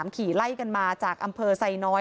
ขี่ไล่กันมาจากอำเภอไซน้อย